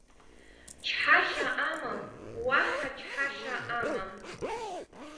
Чҳашьа амам, уаҳа чҳашьа амам!